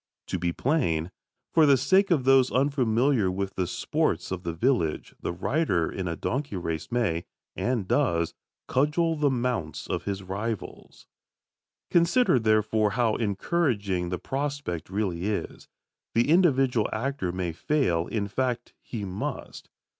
To be plain, for the sake of those unfamiliar with the sports of the village, the rider in a donkey race may, and does, cudgel the mounts of his rivals. Consider, therefore, how encouraging the prospect really is. The individual actor may fail in fact, he must.